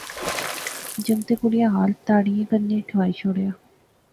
جنگتیں کڑئیں ہال تاڑئیں کنے ٹھوائی شوڑیا